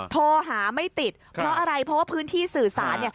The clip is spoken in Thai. โทรหาไม่ติดเพราะอะไรเพราะว่าพื้นที่สื่อสาร